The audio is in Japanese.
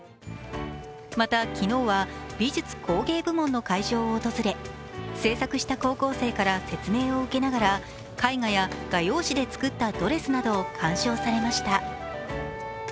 また、昨日は美術・工芸部門の会場を訪れ、制作した高校生から説明を受けながら絵画や画用紙で作ったドレスなどを鑑賞されました。